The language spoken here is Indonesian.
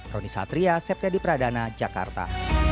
roni satria septya di pradana jakarta